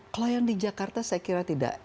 kalau yang di jakarta saya kira tidak